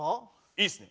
いいっすね。